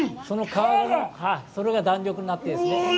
その皮が、弾力になってですね。